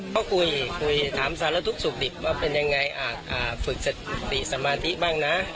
ก็คุยคุยถามสารทุกข์สุขดิบว่าเป็นยังไงฝึกสติสมาธิบ้างนะ